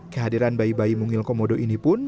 kehadiran bayi bayi mungil komodo ini pun